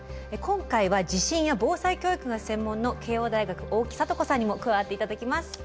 今回は地震や防災教育が専門の慶應大学大木聖子さんにも加わって頂きます。